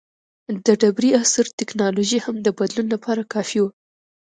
د ډبرې عصر ټکنالوژي هم د بدلون لپاره کافي وه.